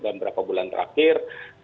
dan berapa bulan terakhir